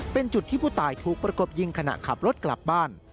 เป็นจุดที่ผู้ตายถูกประกบยิงขณะขับรถกลับบ้าน